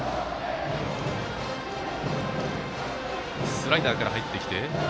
スライダーから入ってきた。